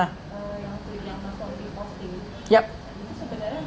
yang telinganya mas taufik posting